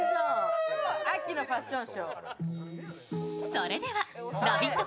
それではラヴィット！